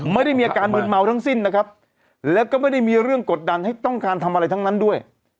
ไม่ได้มีอาการมืนเมาทั้งสิ้นนะครับแล้วก็ไม่ได้มีเรื่องกดดันให้ต้องการทำอะไรทั้งนั้นด้วย